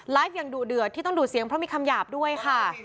อย่างดุเดือดที่ต้องดูดเสียงเพราะมีคำหยาบด้วยค่ะ